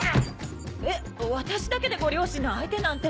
えっ私だけでご両親の相手なんて。